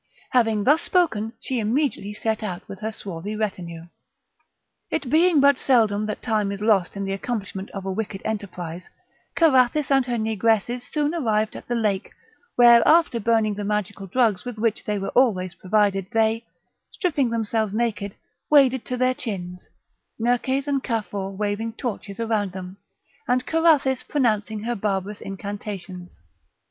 Having thus spoken, she immediately set out with her swarthy retinue. It being but seldom that time is lost in the accomplishment of a wicked enterprise, Carathis and her negresses soon arrived at the lake, where, after burning the magical drugs with which they were always provided, they, stripping themselves naked, waded to their chins, Nerkes and Cafour waving torches around them, and Carathis pronouncing her barbarous incantations.